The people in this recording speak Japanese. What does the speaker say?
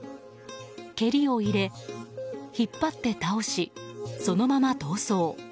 蹴りを入れ、引っ張って倒しそのまま逃走。